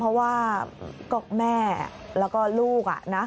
เพราะว่าก็แม่แล้วก็ลูกนะ